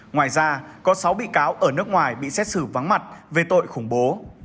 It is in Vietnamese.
ngoài ra có sáu bị cáo ở nước ngoài bị xét xử vắng mặt về tội khủng bố